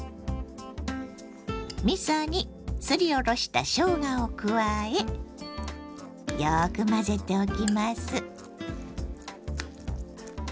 みそにすりおろしたしょうがを加えよく混ぜておきます。